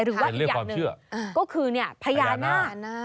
หรือว่าอีกอย่างหนึ่งก็คือพญานาค